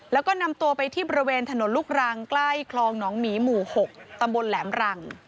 แล้วก็นำตัวไปที่บริเวณถนนลูกรังใกล้คลองหนองหมีหมู่๖ตำบลแหลมรัง